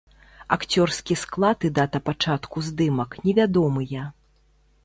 Акцёрскі склад і дата пачатку здымак невядомыя.